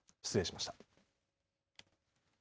失礼しました。